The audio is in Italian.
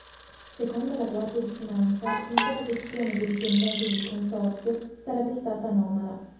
Secondo la Guardia di Finanza "l'intera gestione dei dipendenti del consorzio sarebbe stata anomala".